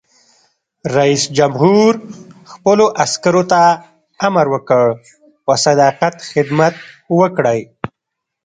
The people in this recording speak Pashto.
رئیس جمهور خپلو عسکرو ته امر وکړ؛ په صداقت خدمت وکړئ!